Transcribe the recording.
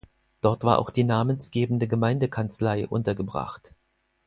Dort war auch die namensgebende Gemeindekanzlei untergebracht.